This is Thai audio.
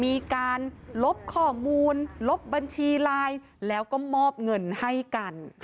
มีการลบข้อมูลลบบัญชีไลน์แล้วก็มอบเงินให้กัน